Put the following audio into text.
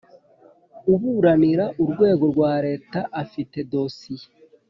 uburanira urwego rwa Leta afite dosiye.